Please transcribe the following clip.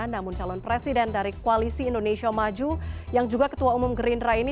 namun calon presiden dari koalisi indonesia maju yang juga ketua umum gerindra ini